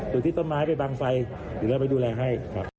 จุดที่ต้นไม้ไปบังไฟอยู่แล้วไปดูแลให้